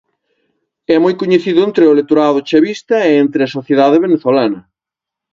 É moi coñecido entre o electorado chavista e entre a sociedade venezolana.